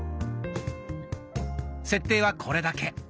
設定はこれだけ。